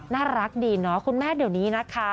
น่ารักดีเนาะคุณแม่เดี๋ยวนี้นะคะ